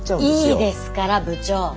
もういいですから部長。